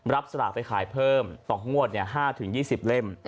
รับสลักไปขายเพิ่มต่องวดเนี่ย๕๒๐เล่ม